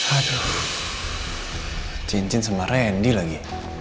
aduh cincin sama randy lagi